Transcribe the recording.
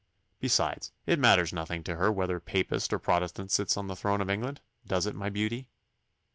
Besides, it matters nothing to her whether Papist or Protestant sits on the throne of England does it, my beauty?